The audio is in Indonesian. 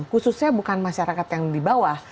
khususnya bukan masyarakat yang di bawah